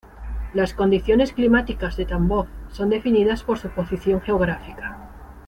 Las condiciones climáticas de Tambov son definidas por su posición geográfica.